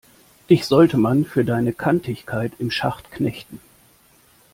Dich sollte man für deine Kantigkeit im Schacht knechten!